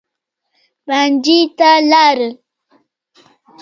مانجې ته لاړ.